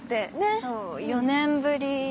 そう４年ぶりに。